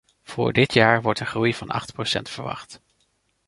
Voor dit jaar wordt een groei van acht procent verwacht.